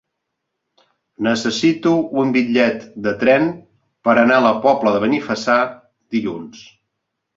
Necessito un bitllet de tren per anar a la Pobla de Benifassà dilluns.